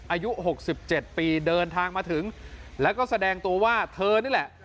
อายุ๖๗ปีเดินทางมาถึงแล้วก็แสดงตัวว่าเธอนี่แหละ